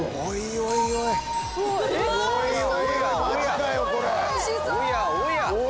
おやおや。